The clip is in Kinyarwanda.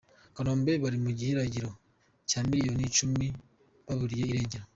Kanombe Bari mu gihirahiro cya miliyoni icumi baburiye irengero